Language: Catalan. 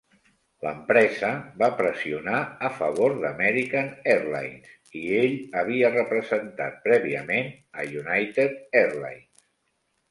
L'empresa va pressionar a favor d'American Airlines, i ell havia representat prèviament a United Airlines.